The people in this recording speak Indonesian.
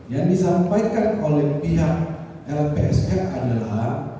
yang disampaikan oleh pihak lpsf adalah